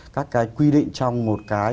các cái quy định trong một cái